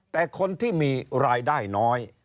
แต่คนที่มีรายได้น้อย